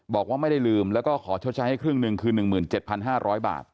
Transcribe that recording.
บอกว่าไม่ได้ลืมแล้วก็ขอชดใช้ให้ครึ่งหนึ่งคือ๑๗๕๐๐บาท